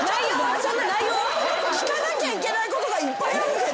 その内容は？聞かなきゃいけないことがいっぱいあるけど。